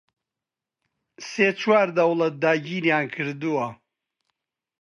سێ چوار دەوڵەت داگیریان کردووە